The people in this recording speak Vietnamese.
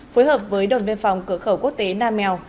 phối hợp với đồn biên phòng cửa khẩu quốc tế nam mèo